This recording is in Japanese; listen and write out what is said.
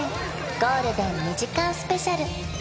ゴールデン２時間スペシャル！